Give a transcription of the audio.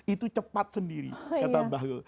itu cepat sendiri kata bahlul